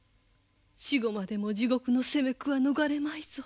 死後までも地獄の責め苦は逃れまいぞ。